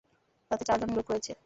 তাতে চারজন লোক রয়েছে।